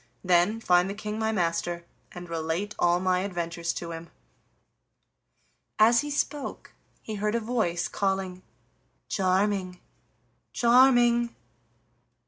Then find the King my master, and relate all my adventures to him." As he spoke he heard a voice calling: "Charming, Charming!"